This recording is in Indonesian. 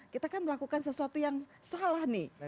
kita kan melakukan sesuatu yang salah nih